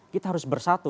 kita harus bersatu